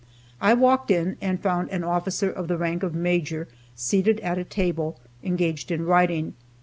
I walked in, and found an officer of the rank of Major seated at a table, engaged in writing.